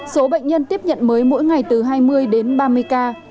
số bệnh nhân tiếp nhận mới mỗi ngày từ hai mươi đến ba mươi ca